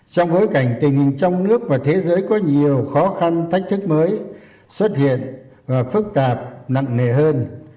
trong bối cảnh tình hình trong nước và thế giới có nhiều khó khăn thách thức mới xuất hiện và phức tạp nặng nề hơn